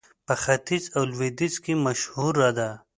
په ختيځ او لوېديځ کې مشهوره ده.